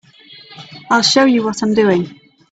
I'll show you what I'm doing.